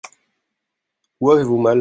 Où avez-vous mal ?